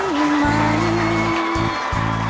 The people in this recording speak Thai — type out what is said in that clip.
ก็เห็นเธอเปลี่ยนไปส่วนอยากรู้